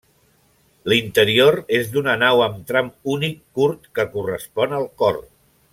L'interior és d'una nau amb tram únic curt que correspon al cor.